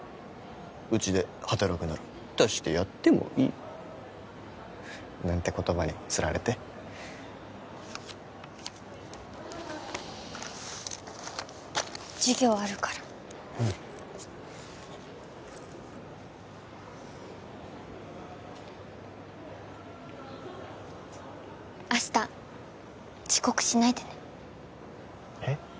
「うちで働くなら出してやってもいい」なんて言葉に釣られて授業あるからうん明日遅刻しないでねえっ？